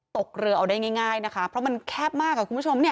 ตกเรือเอาได้ง่ายนะคะเพราะมันแคบมากคุณผู้ชมเนี่ย